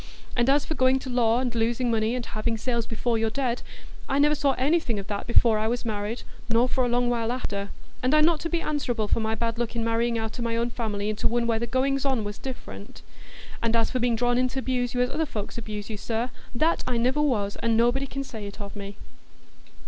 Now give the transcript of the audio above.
And as for going to law and losing money, and having sales before you're dead, I never saw anything o' that before I was married, nor for a long while after. And I'm not to be answerable for my bad luck i' marrying out o' my own family into one where the goings on was different. And as for being drawn in t' abuse you as other folks abuse you, sir, that I niver was, and nobody can say it of me."